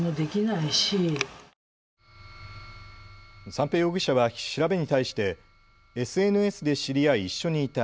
三瓶容疑者は調べに対してＳＮＳで知り合い、一緒にいた。